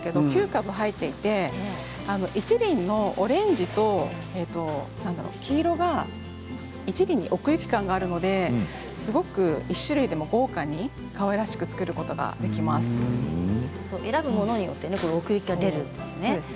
９株、入っていて１輪のオレンジと、黄色が１輪に奥行き感があるのですごく１種類でも豪華にかわいらしく選ぶものによって奥行きが出るんですね。